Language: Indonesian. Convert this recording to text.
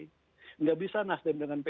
tidak bisa nasdem dengan p tiga